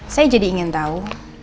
saya jadi ingin tahu